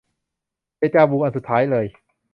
เดจาวู อันสุดท้ายเลย